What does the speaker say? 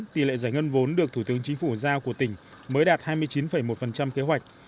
tỷ lệ giải ngân vốn được thủ tướng chính phủ giao của tỉnh mới đạt hai mươi chín một kế hoạch